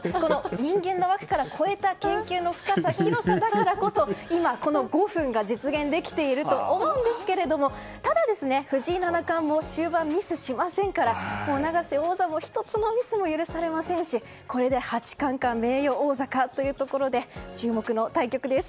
人間の枠から超えた研究の深さ広さだからこそ、今この５分が実現できていると思うんですがただ、藤井七冠も終盤、ミスしませんから永瀬王座も１つのミスも許されませんしこれで八冠か名誉王座かというところ注目の対局です。